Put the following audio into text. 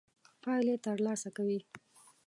پايلې تر لاسه کوي.